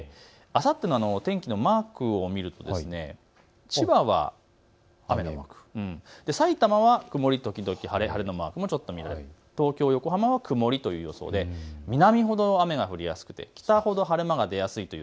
あさっての天気のマークを見ると千葉は雨のマーク、さいたまは曇り時々晴れのマーク、東京、横浜は曇りという予想で南ほど雨が降りやすくて北ほど晴れ間が出やすいという。